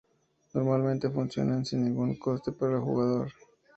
Normalmente funcionan sin ningún coste para el jugador.